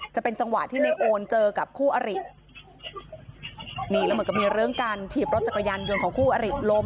จะเป็นจังหวะที่ในโอนเจอกับคู่อรินี่แล้วเหมือนกับมีเรื่องการถีบรถจักรยานยนต์ของคู่อริล้ม